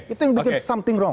itu yang bikin sesuatu salah